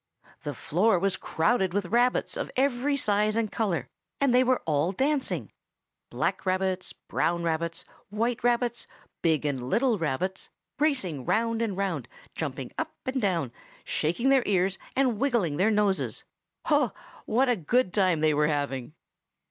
The floor was crowded with rabbits of every size and color, and they were all dancing. Black rabbits, brown rabbits, white rabbits, big and little rabbits, racing round and round, jumping up and down, shaking their ears, and wiggling their noses. Oh, what a good time they were having!